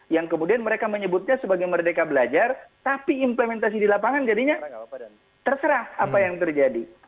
yang kemudian mereka menyebutnya sebagai merdeka belajar tapi implementasi di lapangan jadinya terserah apa yang terjadi